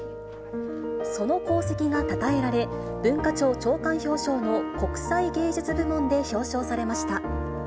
その功績がたたえられ、文化庁長官表彰の国際芸術部門で表彰されました。